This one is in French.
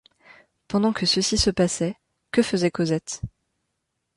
Pendant que ceci se passait, que faisait Cosette ?